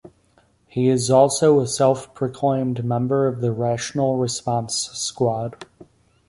He is also a self-proclaimed member of the Rational Response Squad.